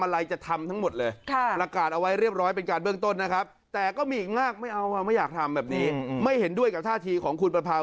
ลูกค้าเขาก็ไม่กล้ามาอยู่ดีนา